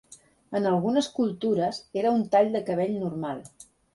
En algunes cultures era un tall de cabell normal.